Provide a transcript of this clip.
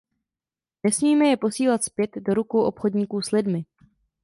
Nesmíme je posílat zpět do rukou obchodníků s lidmi.